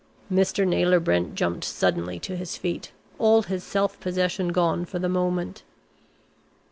Mr. Naylor Brent jumped suddenly to his feet, all his self possession gone for the moment.